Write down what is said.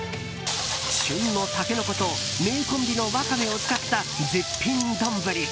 旬のタケノコと名コンビのワカメを使った絶品丼。